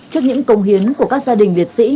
trước những công hiến của các gia đình liệt sĩ